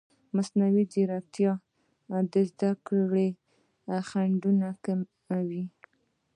مصنوعي ځیرکتیا د زده کړې خنډونه کموي.